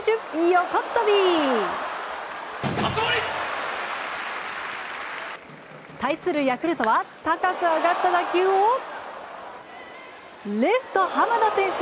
横っ飛び！対するヤクルトは高く上がった打球をレフト、濱田選手